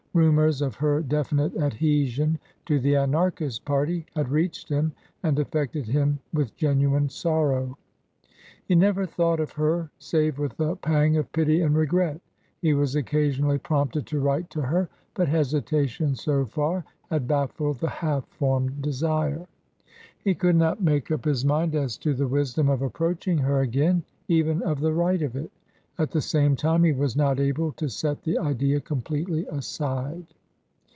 Rumours of her definite adhe sion to the Anarchist party had reached him and af fected him with genuine sorrow ; he never thought of her save with a pang of pity and regret ; he was occa sionally prompted to write to her, but hesitation so far had bafHed the half formed desire. He could not make up his mind as to the wisdom of approaching her again, even of the right of it ; at the same time, he was not able to set the idea completely aside.